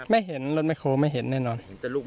ไม่เห็นรถแมคโฮล์ไม่เห็นแน่นอน